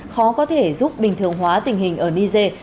khó có thể giúp bình thường hóa tình hình ở niger